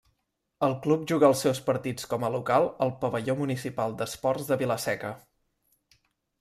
El club juga els seus partits com a local al Pavelló Municipal d'Esports de Vila-seca.